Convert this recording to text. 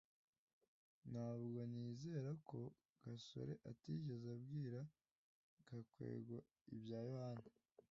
ntabwo nizera ko gasore atigeze abwira gakwego ibya yohana